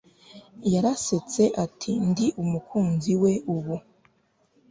yarasetse, ati ndi umukunzi we ubu